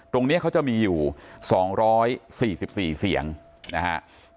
ตรงเนี้ยเขาจะมีอยู่๒๔๔เสี่ยงนะฮะ